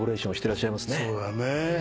そうだね。